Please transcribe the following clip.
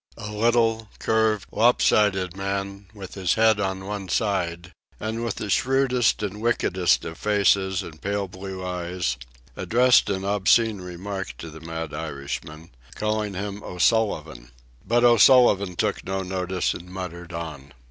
A little, curved, lop sided man, with his head on one side and with the shrewdest and wickedest of faces and pale blue eyes, addressed an obscene remark to the mad Irishman, calling him O'Sullivan. But O'Sullivan took no notice and muttered on.